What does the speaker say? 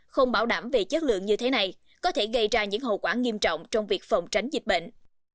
không bảo đảm về chất lượng như thế này có thể gây ra những hậu quả nghiêm trọng trong việc phòng tránh dịch bệnh